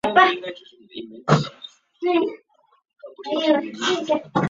主要枢纽是伦敦希斯路机场及伦敦格域机场。